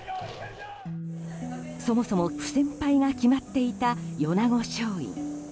そもそも不戦敗が決まっていた米子松蔭。